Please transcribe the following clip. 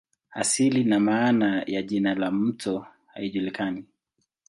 Asili na maana ya jina la mto haijulikani.